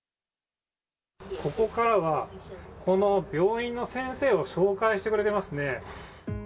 ここからは、この病院の先生を紹介してくれていますね。